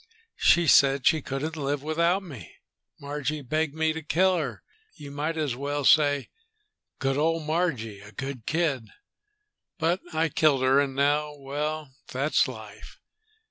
She said she couldn't live without me. Margie begged me to kill her, you might as well say. Good old Margie; a good kid, but I killed her. And now.... Well, that's life!"